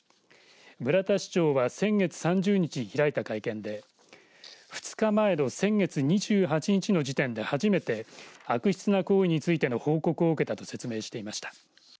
村田市長は先月３０日に開いた会見で２日前の先月２８日の時点で初めて悪質な行為についての報告を受けたと説明していました。